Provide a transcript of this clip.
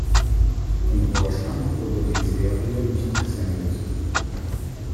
In Deutschland wurde die Serie nicht gesendet.